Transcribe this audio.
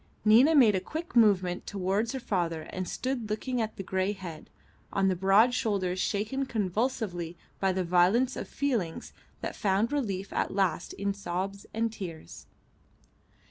Nina made a quick movement towards her father and stood looking at the grey head, on the broad shoulders shaken convulsively by the violence of feelings that found relief at last in sobs and tears.